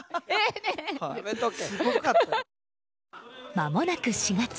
まもなく４月。